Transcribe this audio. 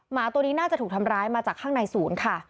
หมาตัวนี้น่าจะถูกทำร้ายมาจากข้างในศูนย์ค่ะ